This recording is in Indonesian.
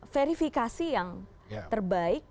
verifikasi yang terbaik